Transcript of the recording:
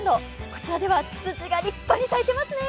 こちらでは、つつじが立派に咲いてますね。